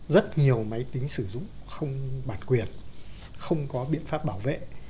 rất nhiều máy tính sử dụng không bản quyền không có biện pháp bảo vệ